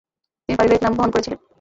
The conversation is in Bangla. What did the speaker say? তিনি পারিবারিক নাম বহন করেছিলেন।